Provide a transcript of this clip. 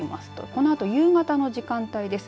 このあと夕方の時間帯です。